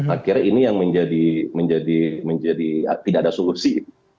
akhirnya ini yang menjadi tidak ada solusi